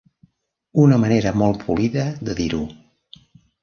Una manera molt polida de dir-ho.